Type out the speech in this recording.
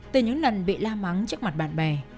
từ những lần bị la mắng trước mặt bạn bè